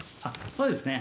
そうですね。